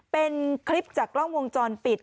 เป็นคลิปจากกล้องวงจรปิด